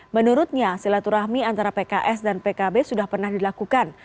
menurutnya silaturahmi antara pks dan pkb sudah pernah dilakukan